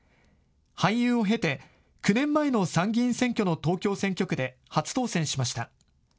俳優を経て９年前の参議院選挙の東京選挙区で初当選しました。